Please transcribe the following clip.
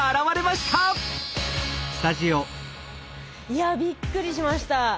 いやびっくりしました。